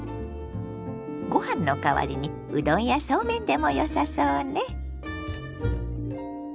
ご飯の代わりにうどんやそうめんでもよさそうね。